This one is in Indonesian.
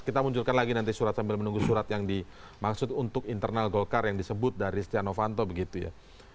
kita munculkan lagi nanti surat sambil menunggu surat yang dimaksud untuk internal golkar yang disebut dari stiano fanto begitu ya